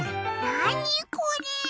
なにこれ？